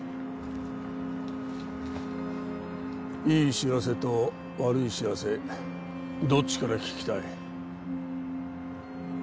いい知らせと悪い知らせどっちから聞きたい？